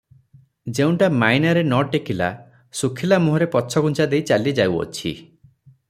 ଯେଉଁଟା ମାଇନାରେ ନ ଟେକିଲା ଶୁଖିଲା ମୁହଁରେ ପଛଘୁଞ୍ଚା ଦେଇ ଚାଲି ଯାଉଅଛି ।